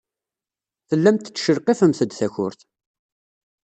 Tellamt tettcelqifemt-d takurt.